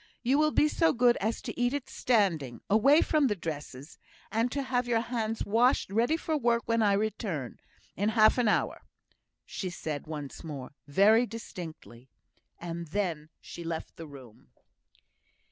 You will be so good as to eat it standing away from the dresses and to have your hands washed ready for work when I return. In half an hour," said she once more, very distinctly; and then she left the room.